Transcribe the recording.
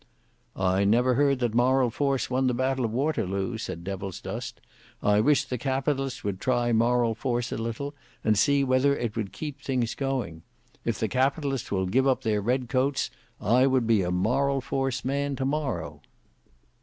"I never heard that moral force won the battle of Waterloo," said Devilsdust. "I wish the Capitalists would try moral force a little, and see whether it would keep the thing going. If the Capitalists will give up their red coats, I would be a moral force man to morrow."